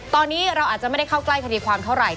ตอนนี้เราอาจจะไม่ได้เข้าใกล้คดีความเท่าไหร่